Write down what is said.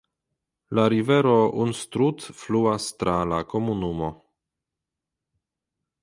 La rivero Unstrut fluas tra la komunumo.